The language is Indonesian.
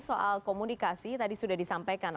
soal komunikasi tadi sudah disampaikan